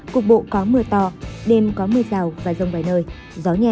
cục bộ có mưa to đêm có mưa rào và rông vài nơi gió nhẹ